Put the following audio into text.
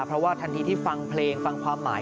เพราะว่าทันทีที่ฟังเพลงฟังความหมาย